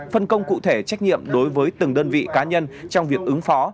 phân công cụ thể trách nhiệm đối với từng đơn vị cá nhân trong việc ứng phó